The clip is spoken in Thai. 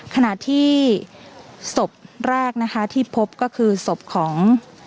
ขณะที่ศพแรกนะคะที่พบก็คือศพของ